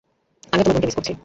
আমিও তোমার বোনকে মিস করছি।